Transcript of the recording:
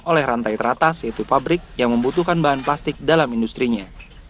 oleh rantai teratas yaitu pabrik yang membutuhkan bahan plastik dalam industrinya